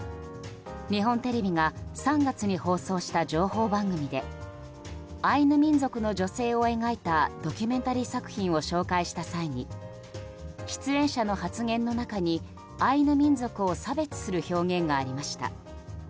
日本テレビが３月に放送した情報番組でアイヌ民族の女性を描いたドキュメンタリー作品を紹介した際に出演者の発言の中にアイヌ民族を差別する表現がありました。